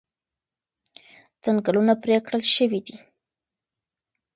ځنګلونه پرې کړل شوي دي.